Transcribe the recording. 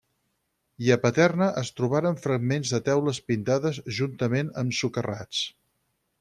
I a Paterna es trobaren fragments de teules pintades juntament amb socarrats.